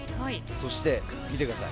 そして見てください。